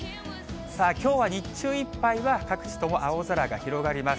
きょうは日中いっぱいは、各地とも青空が広がります。